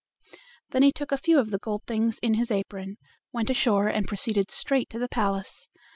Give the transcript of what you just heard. Then he took a few of the gold things in his apron, went ashore, and proceeded straight to the palace.